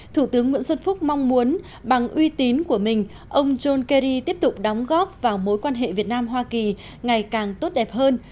thủ tướng nguyễn xuân phúc mong muốn bằng uy tín của mình ông john kerry tiếp tục đóng góp vào mối quan hệ việt nam hoa kỳ ngày càng tốt đẹp hơn